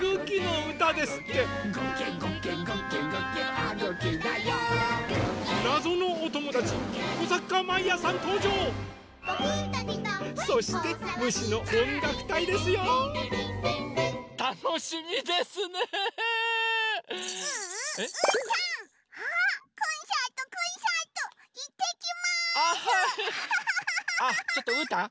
あっちょっとうーたん